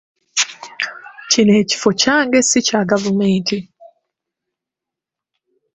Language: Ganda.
Kino ekifo kyange si kya Gavumenti.